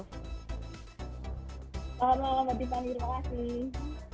selamat malam mbak tiffany terima kasih